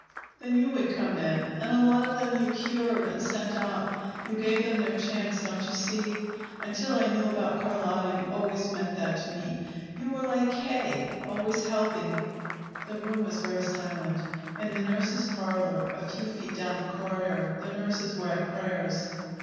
Then you would come in, and a lot of them you cured and sent out. You gave them their chance, don't you see? Until I knew about Carlotta, you always meant that to me. You were like K. always helping." The room was very silent. In the nurses' parlor, a few feet down the corridor, the nurses were at prayers.